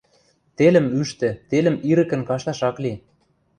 Телӹм ӱштӹ, телӹм ирӹкӹн кашташ ак ли